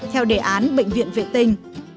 theo đề án bệnh viện vệ tinh